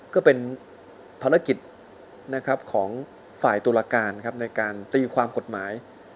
ก็เป็นภารกิจของฝ่ายตุลาการในการตีความกฎหมาย